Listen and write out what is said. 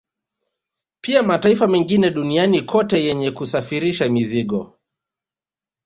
Pia mataifa mengine duniani kote yenye kusafirisha mizigo